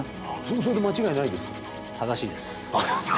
それで間違いないですか？